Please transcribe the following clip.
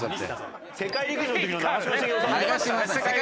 世界陸上の時の長嶋茂雄さんだよ。